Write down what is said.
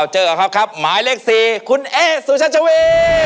ขอบคุณครับครับหมายเลข๔คุณเอสุชาชวี